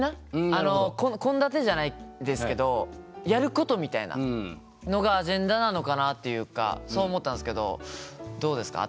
あの献立じゃないですけどやることみたいなのがアジェンダなのかなっていうかそう思ったんすけどどうですか？